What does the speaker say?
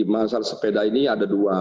masalah sepeda ini ada dua